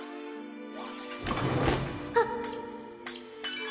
あっ！